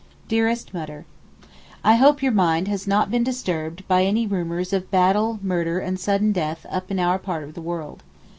DEAREST MUTTER, I hope your mind has not been disturbed by any rumours of 'battle, murder and sudden death' up in our part of the world.